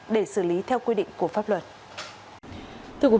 để xử lý theo quy định của pháp luật